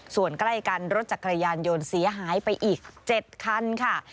ส่วนใกล้กันรถจักรยานยนต์เสียหายไปอีก๗คันค่ะ